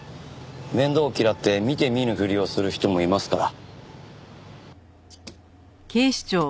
面倒を嫌って見て見ぬふりをする人もいますから。